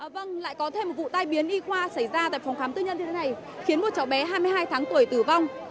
vâng lại có thêm một vụ tai biến y khoa xảy ra tại phòng khám tư nhân như thế này khiến một cháu bé hai mươi hai tháng tuổi tử vong